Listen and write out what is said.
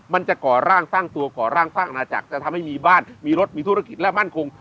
ก่อร่างสร้างตัวก่อร่างสร้างอาณาจักรจะทำให้มีบ้านมีรถมีธุรกิจและมั่นคง